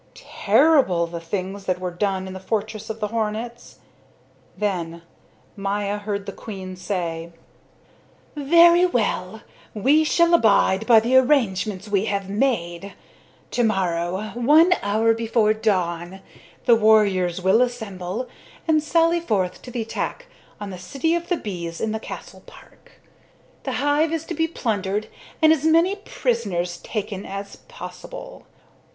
Terrible the things that were done in the fortress of the hornets! Then Maya heard the queen say: "Very well, we shall abide by the arrangements we have made. To morrow, one hour before dawn, the warriors will assemble and sally forth to the attack on the city of the bees in the castle park. The hive is to be plundered and as many prisoners taken as possible.